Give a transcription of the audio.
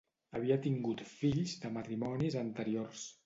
Havia tingut fills de matrimonis anteriors.